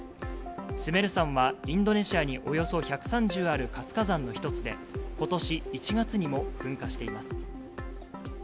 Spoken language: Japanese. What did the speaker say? スメル山は、インドネシアにおよそ１３０ある活火山の一つで、ことし１月にも噴火しています。